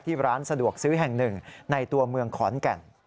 ร้านสะดวกซื้อแห่งหนึ่งในตัวเมืองขอนแก่น